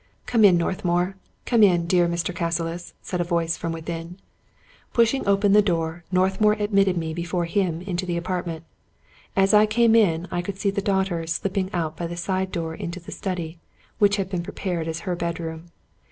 " Come in, Northmour ; come in, dear Mr. Cassilis," said a voice from within. Pushing open the door, Northmour admitted me before him into the apartment. As I came in I could see the daugh ter slipping out by the side door into the study, which had been prepared as her bedroom.